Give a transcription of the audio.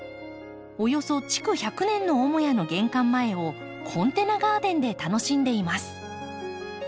およそ築１００年の母屋の玄関前をコンテナガーデンで楽しんでいます。